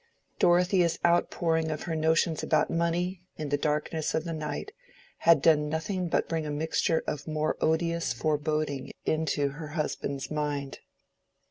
Dorothea's outpouring of her notions about money, in the darkness of the night, had done nothing but bring a mixture of more odious foreboding into her husband's mind.